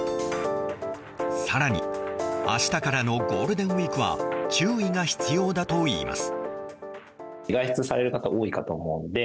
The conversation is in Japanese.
更に、明日からのゴールデンウィークは注意が必要だといいます。